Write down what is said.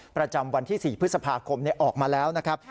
ประจำวันที่๔พฤษภาคมออกมาแล้วนะครับ